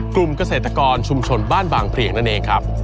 กลุ่มเกษตรกรชุมชนบ้านบางเพลียงนั่นเองครับ